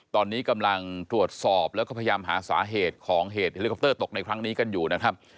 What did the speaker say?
ตอนนี้กำลังตรวจสอบแล้วก็พยายามหาสาเหตุของเหตุเฮลิคอปเตอร์ตกในครั้งนี้กันอยู่นะครับ